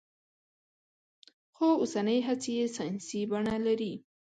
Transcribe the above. خو اوسنۍ هڅې يې ساينسي بڼه لري.